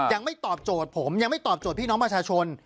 ยังไม่ตอบโจทย์ผมยังไม่ตอบโจทย์พี่น้องประชาชน